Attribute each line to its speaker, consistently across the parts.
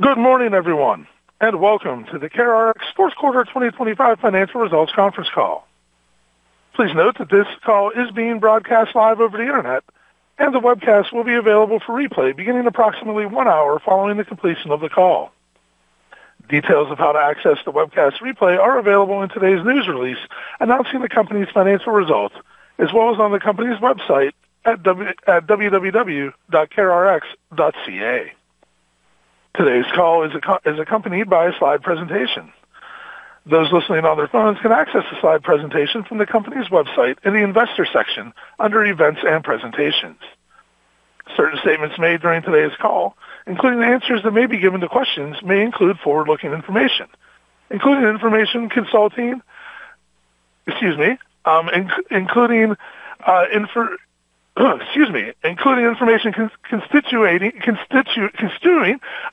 Speaker 1: Good morning, everyone, and welcome to the CareRx Fourth Quarter 2025 Financial Results Conference Call. Please note that this call is being broadcast live over the Internet, and the webcast will be available for replay beginning approximately one hour following the completion of the call. Details of how to access the webcast replay are available in today's news release announcing the company's financial results, as well as on the company's website at www.carerx.ca. Today's call is accompanied by a slide presentation. Those listening on their phones can access the slide presentation from the company's website in the Investors section under Events and Presentations. Certain statements made during today's call, including the answers that may be given to questions, may include forward-looking information, including information. Excuse me, excuse me, including information constituting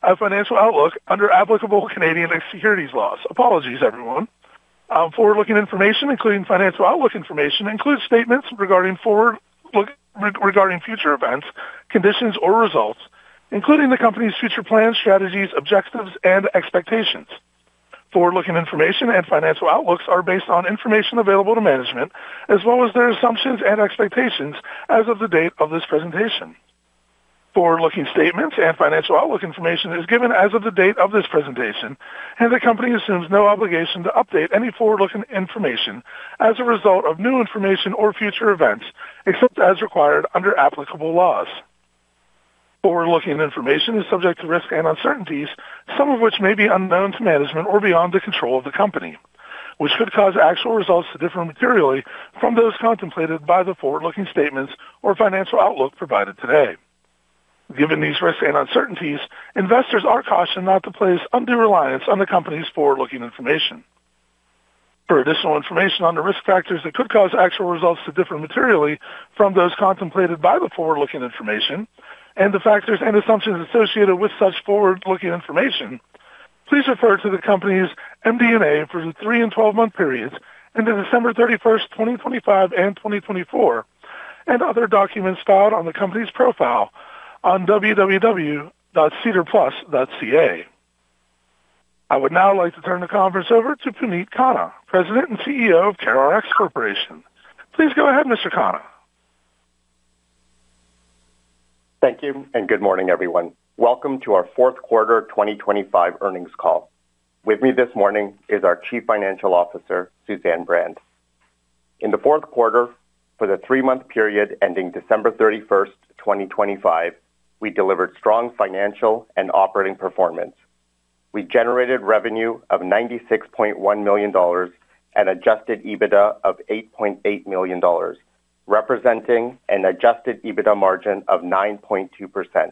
Speaker 1: a financial outlook under applicable Canadian securities laws. Apologies, everyone. Forward-looking information, including financial outlook information, includes statements regarding future events, conditions, or results, including the company's future plans, strategies, objectives, and expectations. Forward-looking information and financial outlooks are based on information available to management as well as their assumptions and expectations as of the date of this presentation. Forward-looking statements and financial outlook information is given as of the date of this presentation, and the company assumes no obligation to update any forward-looking information as a result of new information or future events, except as required under applicable laws. Forward-looking information is subject to risks and uncertainties, some of which may be unknown to management or beyond the control of the company, which could cause actual results to differ materially from those contemplated by the forward-looking statements or financial outlook provided today. Given these risks and uncertainties, investors are cautioned not to place undue reliance on the company's forward-looking information. For additional information on the risk factors that could cause actual results to differ materially from those contemplated by the forward-looking information and the factors and assumptions associated with such forward-looking information, please refer to the company's MD&A for the 3 and 12-month periods ended December 31st, 2025, and 2024, and other documents filed on the company's profile on www.SEDAR+. I would now like to turn the conference over to Puneet Khanna, President and CEO of CareRx Corporation. Please go ahead, Mr. Khanna.
Speaker 2: Thank you and good morning, everyone. Welcome to our 4th quarter 2025 earnings call. With me this morning is our Chief Financial Officer, Suzanne Brand. In the 4th quarter, for the 3-month period ending December 31st, 2025, we delivered strong financial and operating performance. We generated revenue of 96.1 million dollars and adjusted EBITDA of 8.8 million dollars, representing an adjusted EBITDA margin of 9.2%.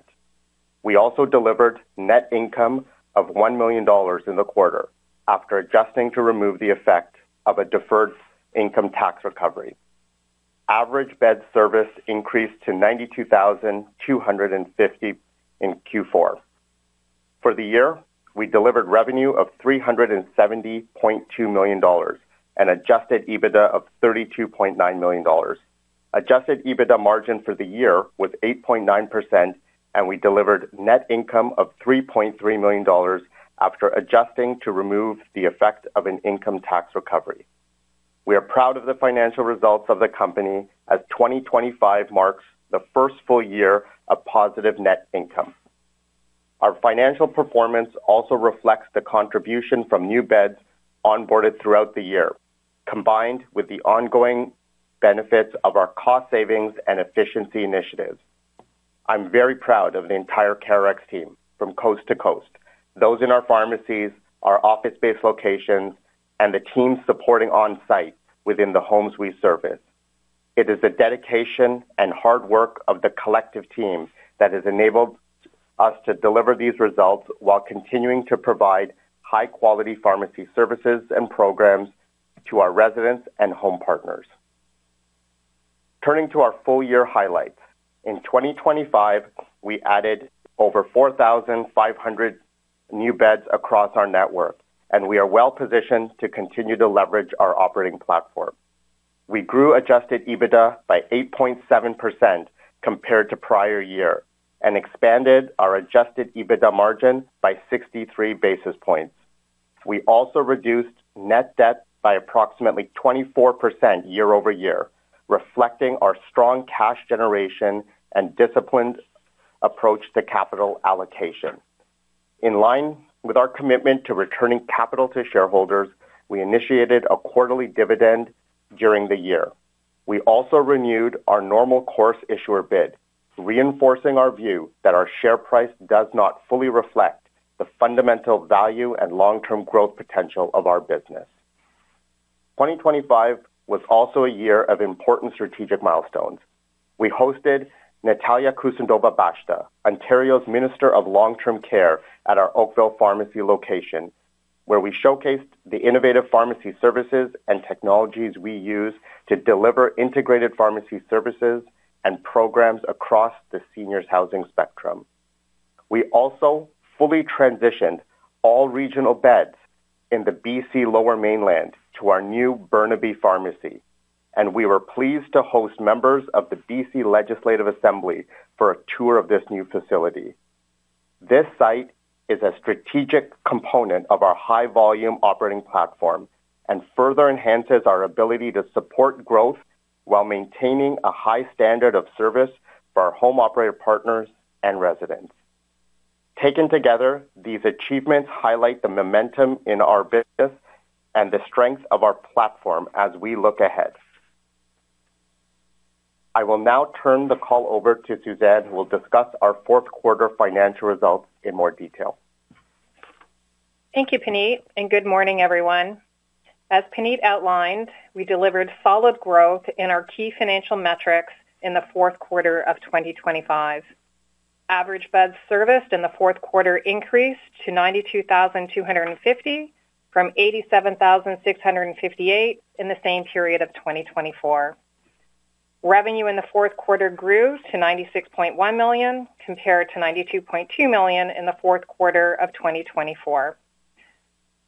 Speaker 2: We also delivered net income of 1 million dollars in the quarter after adjusting to remove the effect of a deferred income tax recovery. Average bed service increased to 92,250 in Q4. For the year, we delivered revenue of 370.2 million dollars and adjusted EBITDA of 32.9 million dollars. Adjusted EBITDA margin for the year was 8.9%, we delivered net income of 3.3 million dollars after adjusting to remove the effect of an income tax recovery. We are proud of the financial results of the company as 2025 marks the first full year of positive net income. Our financial performance also reflects the contribution from new beds onboarded throughout the year, combined with the ongoing benefits of our cost savings and efficiency initiatives. I'm very proud of the entire CareRx team from coast to coast, those in our pharmacies, our office-based locations, and the teams supporting on-site within the homes we service. It is the dedication and hard work of the collective team that has enabled us to deliver these results while continuing to provide high-quality pharmacy services and programs to our residents and home partners. Turning to our full-year highlights. In 2025, we added over 4,500 new beds across our network. We are well positioned to continue to leverage our operating platform. We grew adjusted EBITDA by 8.7% compared to prior year and expanded our adjusted EBITDA margin by 63 basis points. We also reduced net debt by approximately 24% year-over-year, reflecting our strong cash generation and disciplined approach to capital allocation. In line with our commitment to returning capital to shareholders, we initiated a quarterly dividend during the year. We also renewed our normal course issuer bid, reinforcing our view that our share price does not fully reflect the fundamental value and long-term growth potential of our business. 2025 was also a year of important strategic milestones. We hosted Natalia Kusendova-Bashta, Ontario's Minister of Long-Term Care, at our Oakville pharmacy location, where we showcased the innovative pharmacy services and technologies we use to deliver integrated pharmacy services and programs across the seniors' housing spectrum. We also fully transitioned all regional beds in the BC Lower Mainland to our new Burnaby pharmacy, and we were pleased to host members of the BC Legislative Assembly for a tour of this new facility. This site is a strategic component of our high volume operating platform and further enhances our ability to support growth while maintaining a high standard of service for our home operator partners and residents. Taken together, these achievements highlight the momentum in our business and the strength of our platform as we look ahead. I will now turn the call over to Suzanne, who will discuss our fourth quarter financial results in more detail.
Speaker 3: Thank you, Puneet, and good morning, everyone. As Puneet outlined, we delivered solid growth in our key financial metrics in the fourth quarter of 2025. Average beds serviced in the fourth quarter increased to 92,250 from 87,658 in the same period of 2024. Revenue in the fourth quarter grew to 96.1 million, compared to 92.2 million in the fourth quarter of 2024.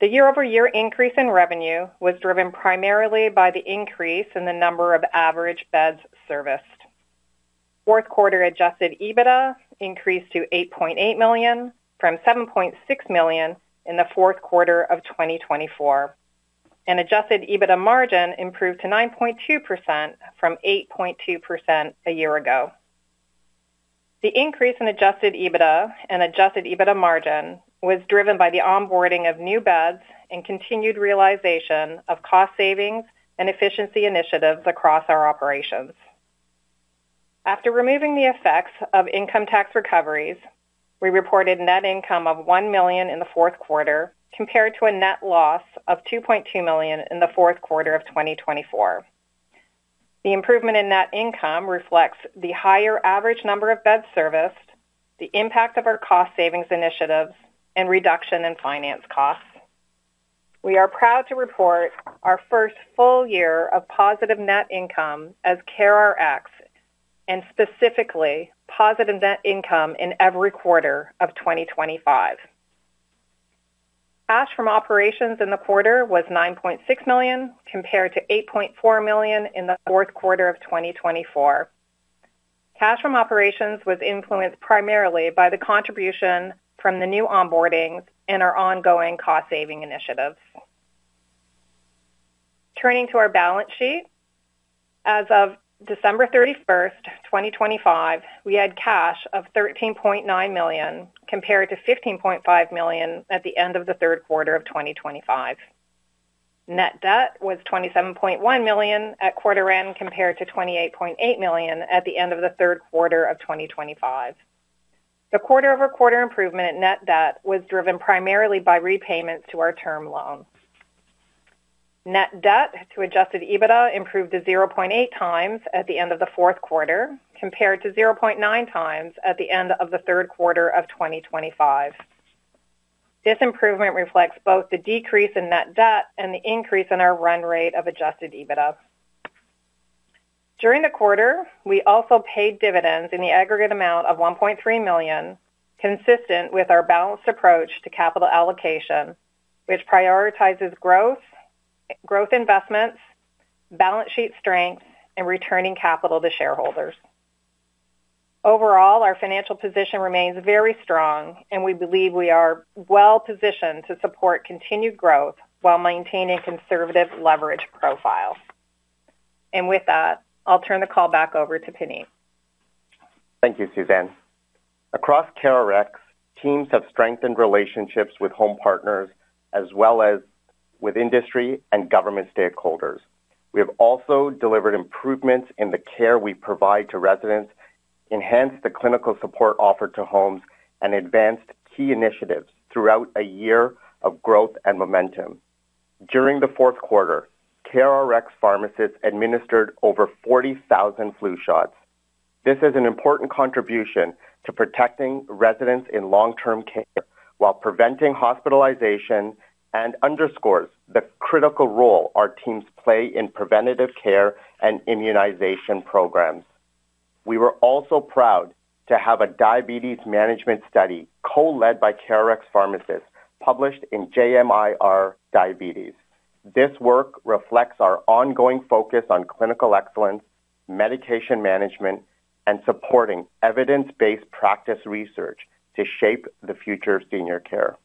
Speaker 3: The year-over-year increase in revenue was driven primarily by the increase in the number of average beds serviced. Fourth quarter adjusted EBITDA increased to 8.8 million from 7.6 million in the fourth quarter of 2024, and adjusted EBITDA margin improved to 9.2% from 8.2% a year ago. The increase in adjusted EBITDA and adjusted EBITDA margin was driven by the onboarding of new beds and continued realization of cost savings and efficiency initiatives across our operations. After removing the effects of income tax recoveries, we reported net income of 1 million in the fourth quarter, compared to a net loss of 2.2 million in the fourth quarter of 2024. The improvement in net income reflects the higher average number of beds serviced, the impact of our cost savings initiatives, and reduction in finance costs. We are proud to report our first full year of positive net income as CareRx and specifically positive net income in every quarter of 2025. Cash from operations in the quarter was 9.6 million, compared to 8.4 million in the fourth quarter of 2024. Cash from operations was influenced primarily by the contribution from the new onboardings and our ongoing cost-saving initiatives. Turning to our balance sheet. As of December 31st, 2025, we had cash of 13.9 million, compared to 15.5 million at the end of the third quarter of 2025. Net debt was 27.1 million at quarter end, compared to 28.8 million at the end of the third quarter of 2025. The quarter-over-quarter improvement in net debt was driven primarily by repayments to our term loans. Net debt to adjusted EBITDA improved to 0.8 times at the end of the fourth quarter, compared to 0.9 times at the end of the third quarter of 2025. This improvement reflects both the decrease in net debt and the increase in our run rate of adjusted EBITDA. During the quarter, we also paid dividends in the aggregate amount of 1.3 million, consistent with our balanced approach to capital allocation, which prioritizes growth investments, balance sheet strength, and returning capital to shareholders. Overall, our financial position remains very strong, and we believe we are well-positioned to support continued growth while maintaining conservative leverage profile. With that, I'll turn the call back over to Puneet.
Speaker 2: Thank you, Suzanne. Across CareRx, teams have strengthened relationships with home partners as well as with industry and government stakeholders. We have also delivered improvements in the care we provide to residents, enhanced the clinical support offered to homes, and advanced key initiatives throughout a year of growth and momentum. During the fourth quarter, CareRx pharmacists administered over 40,000 flu shots. This is an important contribution to protecting residents in long-term care while preventing hospitalization and underscores the critical role our teams play in preventative care and immunization programs. We were also proud to have a diabetes management study co-led by CareRx pharmacists published in JMIR Diabetes. This work reflects our ongoing focus on clinical excellence, medication management, and supporting evidence-based practice research to shape the future of senior care.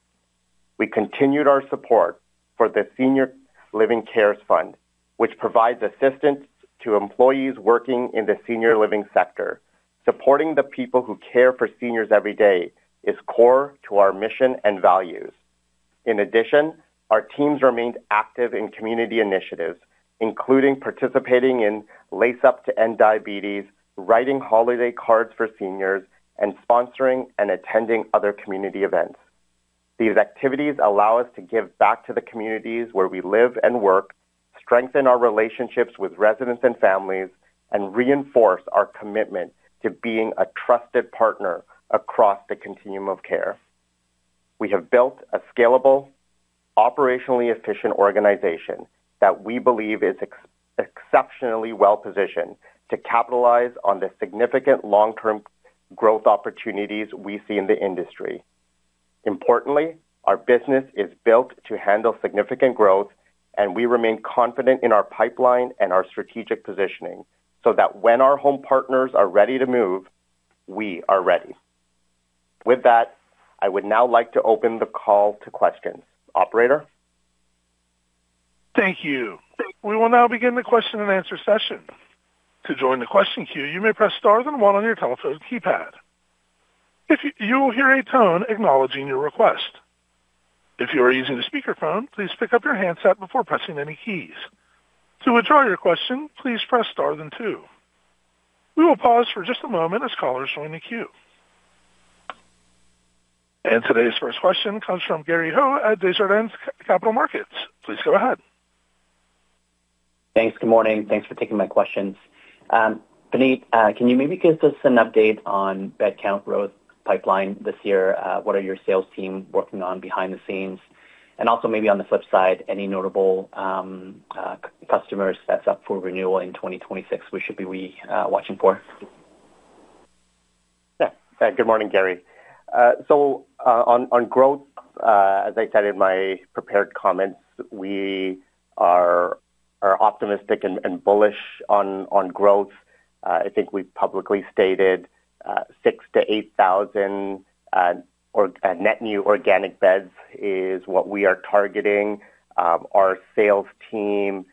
Speaker 2: We continued our support for the Senior Living CaRES Fund, which provides assistance to employees working in the senior living sector. Supporting the people who care for seniors every day is core to our mission and values. In addition, our teams remained active in community initiatives, including participating in Lace Up to End Diabetes, writing holiday cards for seniors, and sponsoring and attending other community events. These activities allow us to give back to the communities where we live and work, strengthen our relationships with residents and families, and reinforce our commitment to being a trusted partner across the continuum of care. We have built a scalable, operationally efficient organization that we believe is exceptionally well positioned to capitalize on the significant long-term growth opportunities we see in the industry. Importantly, our business is built to handle significant growth, and we remain confident in our pipeline and our strategic positioning so that when our home partners are ready to move, we are ready. With that, I would now like to open the call to questions. Operator.
Speaker 1: Thank you. We will now begin the question and answer session. To join the question queue, you may press Star then one on your telephone keypad. If you will hear a tone acknowledging your request. If you are using a speakerphone, please pick up your handset before pressing any keys. To withdraw your question, please press Star then two. We will pause for just a moment as callers join the queue. Today's first question comes from Gary Ho at Desjardins Capital Markets. Please go ahead.
Speaker 4: Thanks. Good morning. Thanks for taking my questions. Puneet, can you maybe give us an update on bed count growth pipeline this year? What are your sales team working on behind the scenes? Also maybe on the flip side, any notable customers that's up for renewal in 2026 we should be watching for?
Speaker 2: Yeah. Good morning, Gary. On growth, as I said in my prepared comments, we are optimistic and bullish on growth. I think we've publicly stated 6,000-8,000 net new organic beds is what we are targeting. Our sales team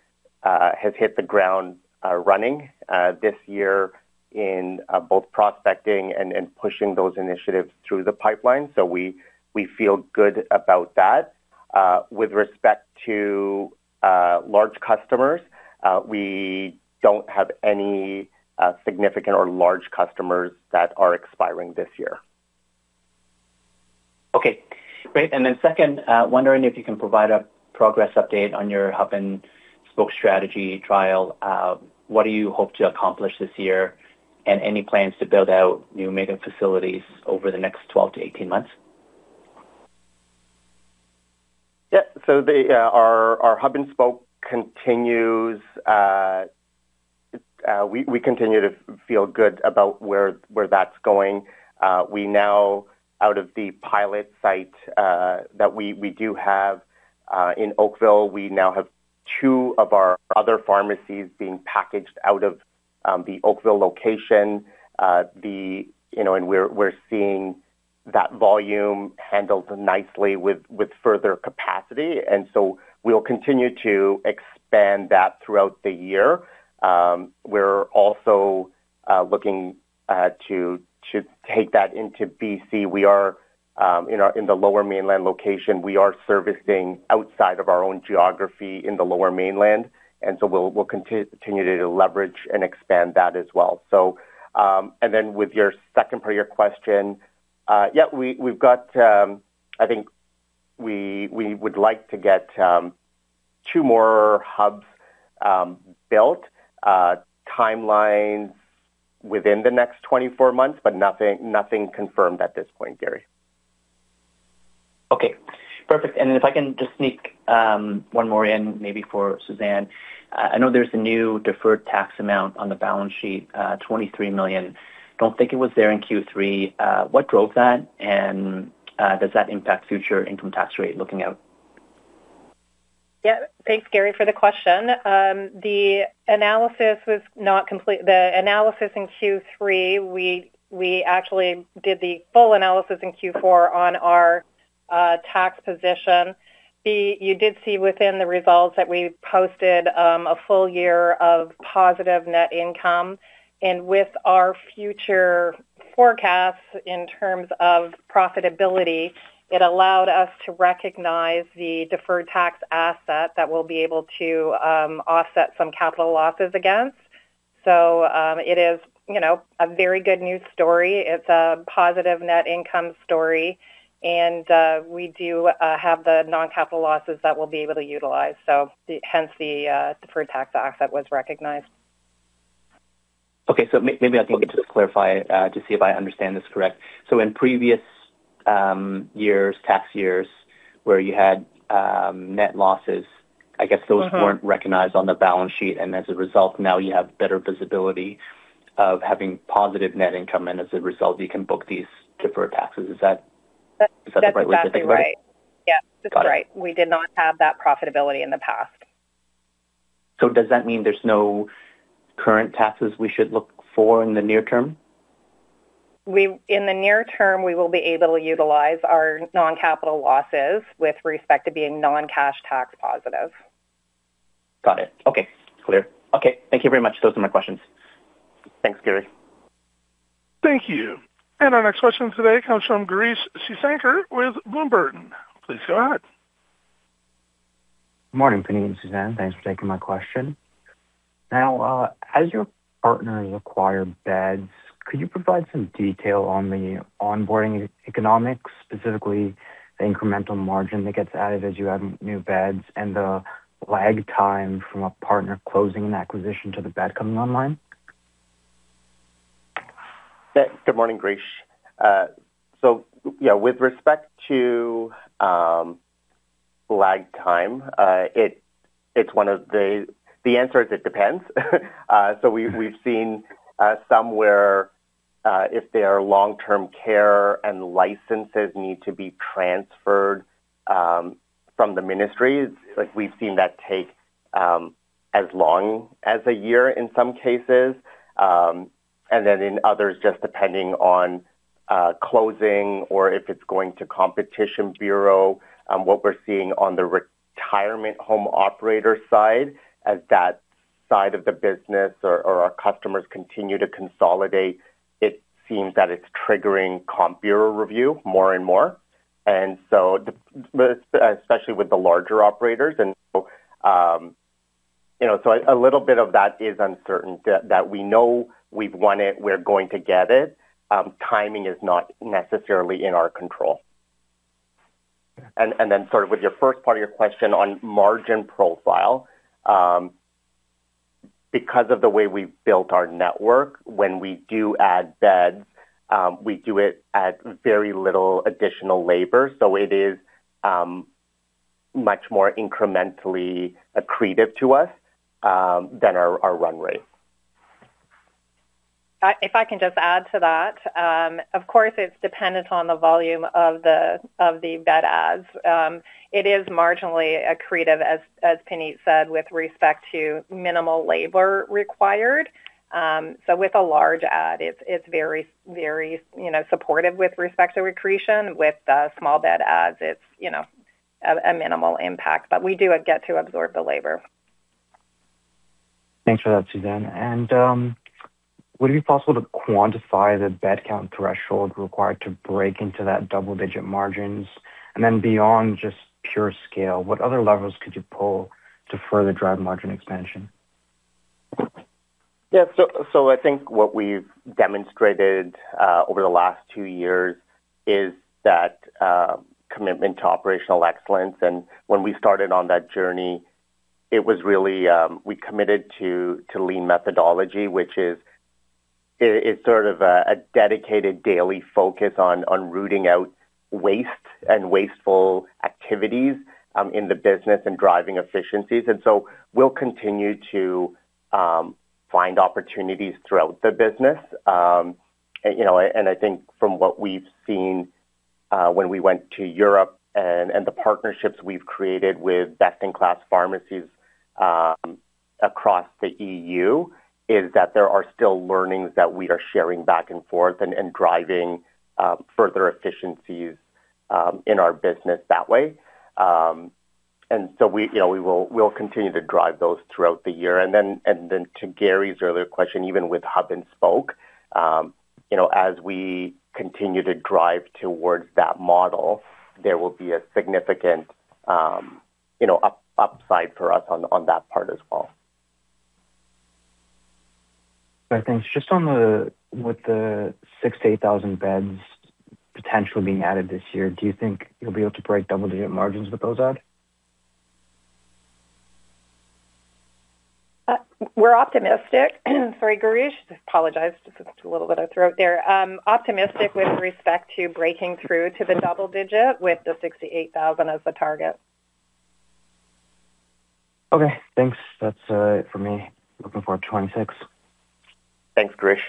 Speaker 2: has hit the ground running this year in both prospecting and pushing those initiatives through the pipeline. We feel good about that. With respect to large customers, we don't have any significant or large customers that are expiring this year.
Speaker 4: Okay. Great. Second, wondering if you can provide a progress update on your hub-and-spoke strategy trial? What do you hope to accomplish this year? Any plans to build out new mega facilities over the next 12 to 18 months?
Speaker 2: The our hub and spoke continues. We continue to feel good about where that's going. We now, out of the pilot site that we do have in Oakville, we now have two of our other pharmacies being packaged out of the Oakville location. You know, we're seeing that volume handled nicely with further capacity. We'll continue to expand that throughout the year. We're also looking to take that into BC. We are in our, in the Lower Mainland location. We are servicing outside of our own geography in the Lower Mainland. We'll continue to leverage and expand that as well. With your second part of your question, yeah, we've got, I think we would like to get, two more hubs, built, timelines within the next 24 months, but nothing confirmed at this point, Gary Ho.
Speaker 4: Okay. Perfect. If I can just sneak one more in maybe for Suzanne. I know there's a new deferred tax amount on the balance sheet, 23 million. Don't think it was there in Q3. What drove that? Does that impact future income tax rate looking out?
Speaker 3: Yeah. Thanks, Gary, for the question. The analysis was not complete. The analysis in Q3, we actually did the full analysis in Q4 on our tax position. You did see within the results that we posted a full year of positive net income. With our future forecasts in terms of profitability, it allowed us to recognize the deferred tax asset that we'll be able to offset some capital losses against. It is, you know, a very good news story. It's a positive net income story. We do have the non-capital losses that we'll be able to utilize. Hence the deferred tax asset was recognized.
Speaker 4: Maybe I can just clarify to see if I understand this correct. In previous years, tax years, where you had net losses, I guess.
Speaker 3: Mm-hmm.
Speaker 4: Those weren't recognized on the balance sheet, and as a result, now you have better visibility of having positive net income, and as a result, you can book these deferred taxes. Is that-
Speaker 3: That-
Speaker 4: Is that the right way to think of it?
Speaker 3: That's exactly right. Yeah.
Speaker 4: Got it.
Speaker 3: That's right. We did not have that profitability in the past.
Speaker 4: Does that mean there's no current taxes we should look for in the near term?
Speaker 3: In the near term, we will be able to utilize our non-capital losses with respect to being non-cash tax positive.
Speaker 4: Got it. Okay. Clear. Okay. Thank you very much. Those are my questions.
Speaker 2: Thanks, Gary.
Speaker 1: Thank you. Our next question today comes from Girish Somashekar with Bloomberg. Please go ahead.
Speaker 5: Morning, Puneet and Suzanne. Thanks for taking my question. Now, as your partners acquire beds, could you provide some detail on the onboarding e-economics, specifically the incremental margin that gets added as you add new beds and the lag time from a partner closing an acquisition to the bed coming online?
Speaker 2: Yeah. Good morning, Girish. Yeah, with respect to lag time, it's one of the... The answer is it depends. We've seen somewhere, if their long-term care and licenses need to be transferred from the ministries, like we've seen that take as long as a year in some cases. Then in others, just depending on closing or if it's going to Competition Bureau, what we're seeing on the retirement home operator side, as that side of the business or our customers continue to consolidate, it seems that it's triggering Comp Bureau review more and more. Especially with the larger operators and, you know, so a little bit of that is uncertain. That we know we've won it, we're going to get it. Timing is not necessarily in our control. Sort of with your first part of your question on margin profile. Because of the way we've built our network, when we do add beds, we do it at very little additional labor. It is much more incrementally accretive to us than our run rate.
Speaker 3: If I can just add to that. Of course, it's dependent on the volume of the, of the bed adds. It is marginally accretive, as Puneet said, with respect to minimal labor required. With a large add, it's very, very, you know, supportive with respect to accretion. With the small bed adds, it's, you know, a minimal impact. We do get to absorb the labor.
Speaker 5: Thanks for that, Suzanne. Would it be possible to quantify the bed count threshold required to break into that double-digit margins? Beyond just pure scale, what other levers could you pull to further drive margin expansion?
Speaker 2: Yeah. I think what we've demonstrated, over the last two years is that commitment to operational excellence. When we started on that journey, it was really, we committed to lean methodology, which is, it's sort of a dedicated daily focus on rooting out waste and wasteful activities in the business and driving efficiencies. We'll continue to find opportunities throughout the business. You know, I think from what we've seen, when we went to Europe and the partnerships we've created with best-in-class pharmacies across the EU, is that there are still learnings that we are sharing back and forth and driving further efficiencies in our business that way. We, you know, we'll continue to drive those throughout the year. To Gary's earlier question, even with hub-and-spoke, you know, as we continue to drive towards that model, there will be a significant, you know, upside for us on that part as well.
Speaker 5: Right. Thanks. Just on the, with the 6,000 to 8,000 beds potentially being added this year, do you think you'll be able to break double-digit margins with those adds?
Speaker 3: We're optimistic. Sorry, Girish. Apologize. Just a little bit of throat there. Optimistic with respect to breaking through to the double digit with the 68,000 as the target.
Speaker 5: Okay. Thanks. That's it for me. Looking forward to 2026.
Speaker 2: Thanks, Girish.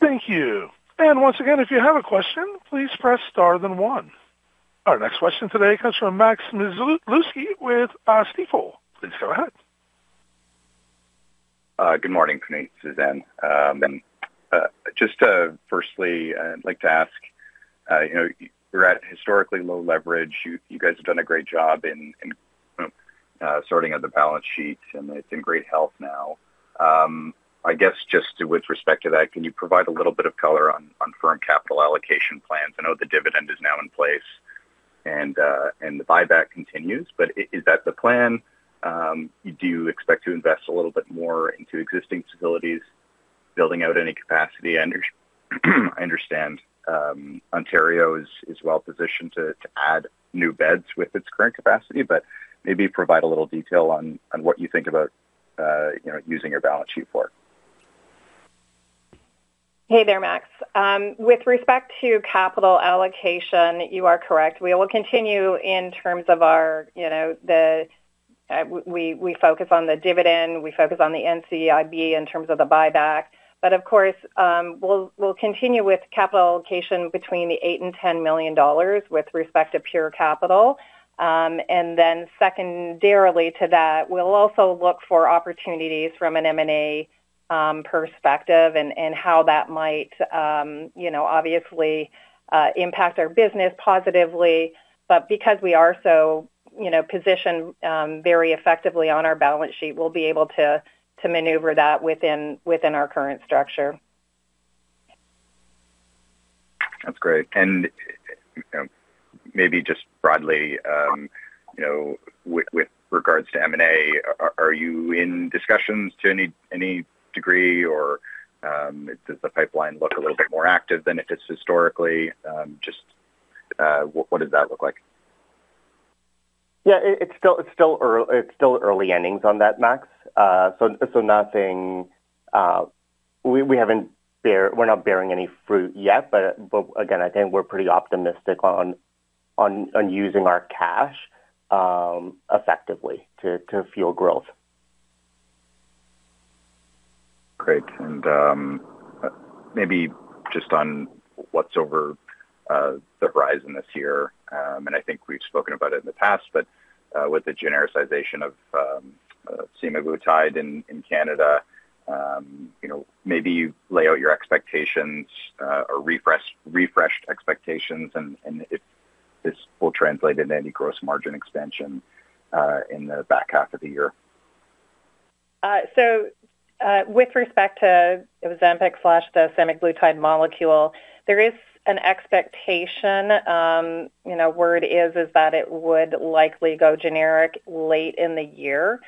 Speaker 1: Thank you. Once again, if you have a question, please press star then one. Our next question today comes from Maxime Leduc with Stifel. Please go ahead.
Speaker 6: Good morning, Puneet, Suzanne. Just to firstly, I'd like to ask, you know, you're at historically low leverage. You guys have done a great job in sorting out the balance sheet, and it's in great health now. I guess just with respect to that, can you provide a little bit of color on firm capital allocation plans? I know the dividend is now in place and the buyback continues, but is that the plan? Do you expect to invest a little bit more into existing facilities, building out any capacity? I understand Ontario is well-positioned to add new beds with its current capacity, but maybe provide a little detail on what you think about, you know, using your balance sheet for.
Speaker 3: Hey there, Max. With respect to capital allocation, you are correct. We will continue in terms of our, you know, the, we focus on the dividend, we focus on the NCIB in terms of the buyback. Of course, we'll continue with capital allocation between 8 million-10 million dollars with respect to pure capital. Secondarily to that, we'll also look for opportunities from an M&A perspective and how that might, you know, obviously, impact our business positively. Because we are so, you know, positioned very effectively on our balance sheet, we'll be able to maneuver that within our current structure.
Speaker 6: That's great. You know, maybe just broadly, you know, with regards to M&A, are you in discussions to any degree or does the pipeline look a little bit more active than it has historically? Just, what does that look like?
Speaker 2: It's still early innings on that, Max. Nothing, we're not bearing any fruit yet. Again, I think we're pretty optimistic on, on using our cash effectively to fuel growth.
Speaker 6: Great. Maybe just on what's over the horizon this year, and I think we've spoken about it in the past, but with the genericization of semaglutide in Canada, you know, maybe you lay out your expectations or refreshed expectations and if this will translate into any gross margin expansion in the back half of the year?
Speaker 3: With respect to Ozempic/the semaglutide molecule, there is an expectation. You know, word is that it would likely go generic late in the year.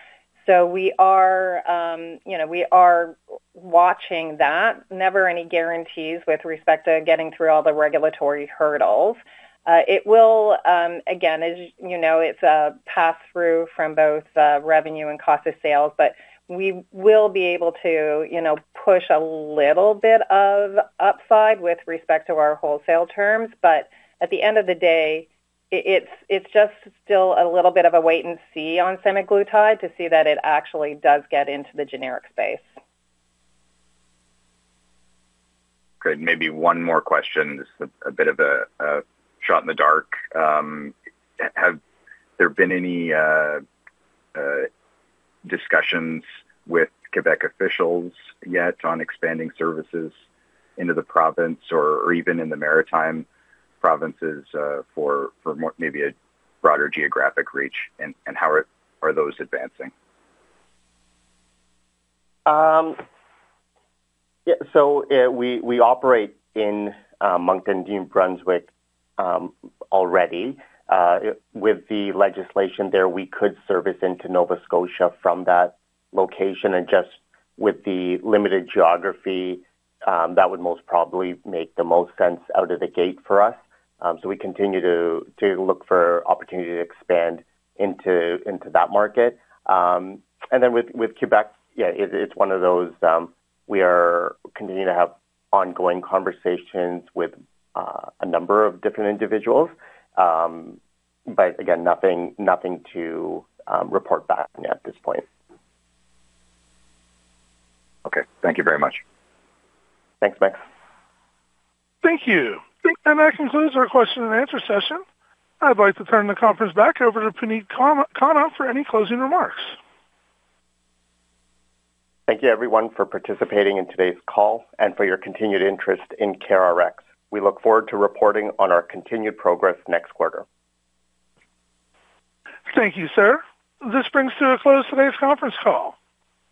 Speaker 3: We are, you know, we are watching that. Never any guarantees with respect to getting through all the regulatory hurdles. It will, again, as you know, it's a pass-through from both revenue and cost of sales, but we will be able to, you know, push a little bit of upside with respect to our wholesale terms. At the end of the day, it's just still a little bit of a wait and see on semaglutide to see that it actually does get into the generic space.
Speaker 6: Great. Maybe one more question. This is a bit of a shot in the dark. Have there been any discussions with Quebec officials yet on expanding services into the province or even in the Maritime provinces, maybe a broader geographic reach? How are those advancing?
Speaker 2: Yeah, we operate in Moncton, New Brunswick, already. With the legislation there, we could service into Nova Scotia from that location. Just with the limited geography, that would most probably make the most sense out of the gate for us. We continue to look for opportunity to expand into that market. Then with Quebec, yeah, it's one of those, we are continuing to have ongoing conversations with a number of different individuals. Again, nothing to report back at this point.
Speaker 6: Okay. Thank you very much.
Speaker 2: Thanks, Max.
Speaker 1: Thank you. That concludes our question and answer session. I'd like to turn the conference back over to Puneet Khanna for any closing remarks.
Speaker 2: Thank you everyone for participating in today's call and for your continued interest in CareRx. We look forward to reporting on our continued progress next quarter.
Speaker 1: Thank you, sir. This brings to a close today's conference call.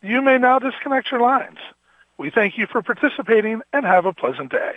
Speaker 1: You may now disconnect your lines. We thank you for participating and have a pleasant day.